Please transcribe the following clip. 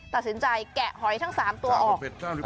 ตัดสินใจแกะหอยทั้ง๓ตัวออก